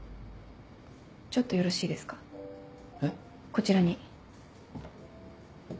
こちらに。